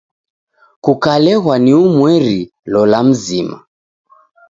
Kukaleghwa ni umweri, lola mzima.